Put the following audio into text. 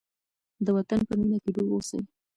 د وطن په مینه کې ډوب اوسئ.